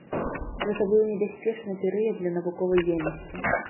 Гэта быў небяспечны перыяд для навуковай дзейнасці.